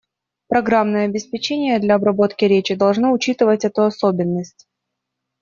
Программное обеспечение для обработки речи должно учитывать эту особенность.